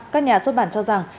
các nhà xuất bản cho rằng